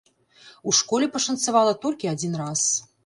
У школе пашанцавала толькі адзін раз.